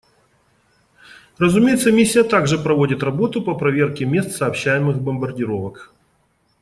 Разумеется, Миссия также проводит работу по проверке мест сообщаемых бомбардировок.